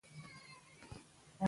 آیا ته کولای سې چې دا پیغام ولیکې؟